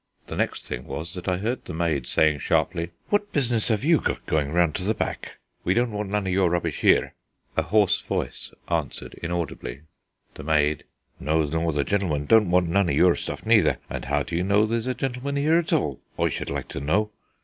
The next thing was that I heard the maid saying sharply: "What business 'ave you got going round to the back? We don't want none of your rubbish here." A hoarse voice answered inaudibly. Maid: "No, nor the gentleman don't want none of your stuff neither; and how do you know there's a gentleman here at all I should like to know?